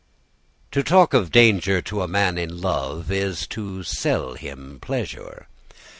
"To talk of danger to a man in love is to sell him pleasure.